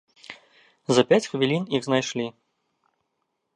За пяць хвілін іх знайшлі.